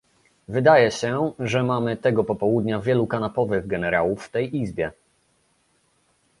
Wydaje się, że mamy tego popołudnia wielu kanapowych generałów w tej Izbie!